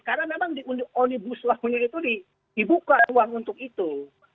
karena memang di onibus lawan ini dibuka uang untuk itu